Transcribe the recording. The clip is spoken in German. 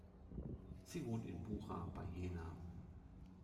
Sie wohnt in Bucha bei Jena.